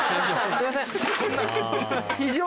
すいません。